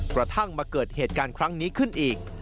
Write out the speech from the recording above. กระทั่งมาเกิดเหตุการณ์ครั้งนี้ขึ้นอีก